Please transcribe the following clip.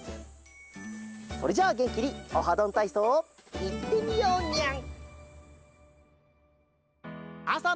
それじゃあげんきに「オハどんたいそう」いってみようニャン！